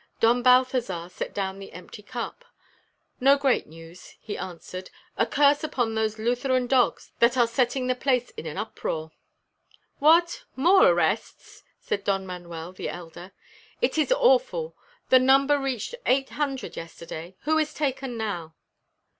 Don Balthazar set down the empty cup. "No great news," he answered. "A curse upon those Lutheran dogs that are setting the place in an uproar." "What! more arrests," said Don Manuel the elder. "It is awful. The number reached eight hundred yesterday. Who is taken now?"